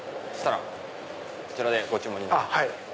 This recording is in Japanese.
こちらでご注文になります。